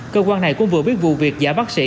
cơ quan này cũng vừa biết vụ việc giả bác sĩ